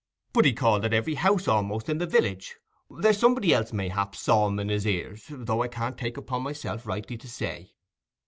But he called at every house, a'most, in the village; there's somebody else, mayhap, saw 'em in his ears, though I can't take upon me rightly to say."